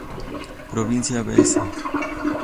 Provincia Bs.